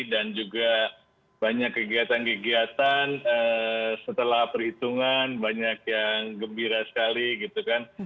dan juga banyak kegiatan kegiatan setelah perhitungan banyak yang gembira sekali gitu kan